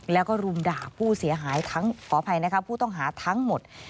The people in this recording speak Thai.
แล้วก็รุมด่าผู้เสียหายทั้งขออภัยนะคะผู้ต้องหาทั้งหมด